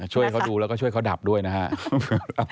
ช่วยเขาดูแล้วก็ช่วยเขาดับด้วยนะครับ